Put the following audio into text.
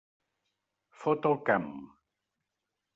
Fot el camp.